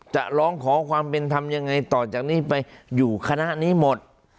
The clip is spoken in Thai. จะร้องขอความเป็นธรรมยังไงต่อจากนี้ไปอยู่คณะนี้หมด